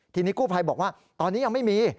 ทีนี้กู้ภัยบอกว่าตอนนี้ยังไม่มี